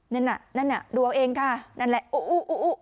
นั่นน่ะนั่นน่ะดูเอาเองค่ะนั่นแหละโอ๊